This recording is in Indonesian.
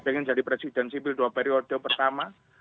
pengen jadi presiden sipil dua periode pertama